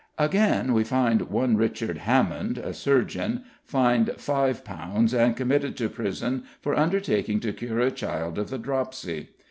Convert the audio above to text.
Again, we find one Richard Hammond, a surgeon, fined £5 and committed to prison for undertaking to cure a child of the dropsy.